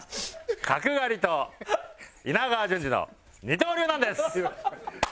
角刈りと稲川淳二の二刀流なんです！